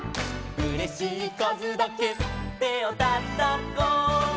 「うれしいかずだけてをたたこ」